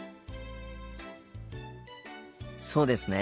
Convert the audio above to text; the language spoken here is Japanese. そうですね。